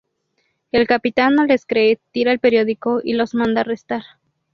El capitán no les cree, tira el periódico y los manda arrestar.